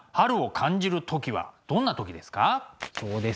そうですね